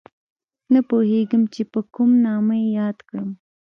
نه پوهېږم چې په کوم نامه یې یاد کړم